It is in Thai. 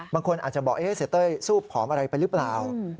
บางคนอาจจะบอกเสียเต้ยซูบผอมอะไรไปหรือเปล่า